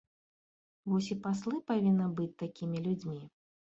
Вось і паслы павінны быць такімі людзьмі.